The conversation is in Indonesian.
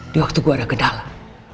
di waktu gue ada gedalah